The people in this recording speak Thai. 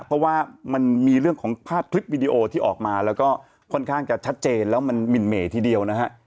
เพราะว่ามันมีเรื่องของภาพคลิปวิดีโอที่ออกมาแล้วก็ค่อนข้างจะชัดเจนแล้วมันหมินเหม่ทีเดียวนะฮะ